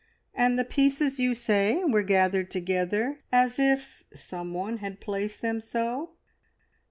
"And the pieces, you say, were gathered together, as if someone had placed them so?